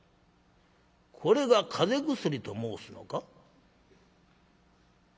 これが風邪薬と申すのか？」。